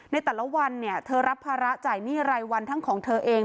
ในแต่ละวันเนี่ยเธอรับภาระจ่ายหนี้รายวันทั้งของเธอเอง